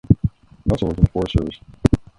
He also worked in the forest service.